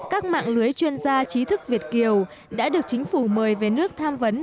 các mạng lưới chuyên gia trí thức việt kiều đã được chính phủ mời về nước tham vấn